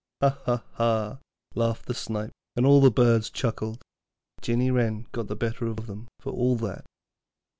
'Ha, ha, ha,' laughed the Snipe, and all the birds chuckled; but Jinny Wren got the better of them for all that.